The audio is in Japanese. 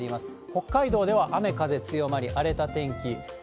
北海道では雨、風強まり、荒れた天気。